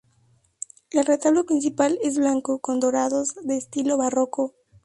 El retablo principal es blanco con dorados, de estilo barroco.